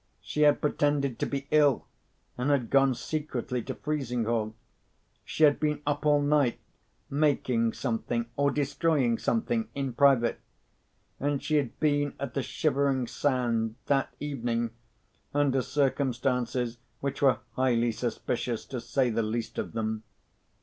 She had pretended to be ill, and had gone secretly to Frizinghall. She had been up all night, making something or destroying something, in private. And she had been at the Shivering Sand, that evening, under circumstances which were highly suspicious, to say the least of them.